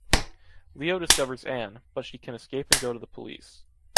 Leo discovers Anne, but she can escape and go to the police.